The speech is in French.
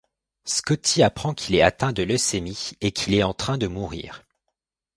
Scottie apprend qu'il est atteint de leucémie et qu'il est en train de mourir.